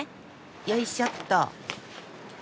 よいしょっと。